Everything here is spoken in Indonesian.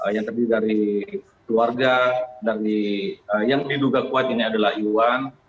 yang terdiri dari keluarga yang diduga kuat ini adalah iwan